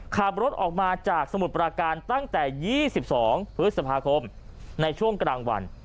ขับรถออกมาจากสมุทรปราการตั้งแต่๒๒พฤษภาคมในช่วงกลางวัน